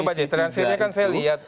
makanya coba teransirnya kan saya lihat